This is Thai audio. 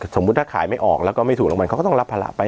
สมมุติถ้าขายไม่ออกแล้วก็ไม่ถูกรางวัลเขาก็ต้องรับภาระไป